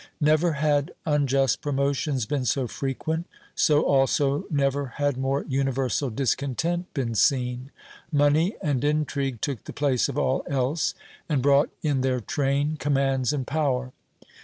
Never had unjust promotions been so frequent; so also never had more universal discontent been seen. Money and intrigue took the place of all else, and brought in their train commands and power.